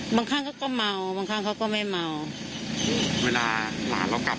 เวลาหลานเรากลับมาที่บ้านแล้วเริ่มสังเกตไหม